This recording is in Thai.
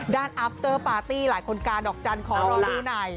อัพเตอร์ปาร์ตี้หลายคนกาดอกจันทร์ขอรอดูหน่อย